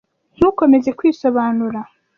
Ntukomeze kwisobanura!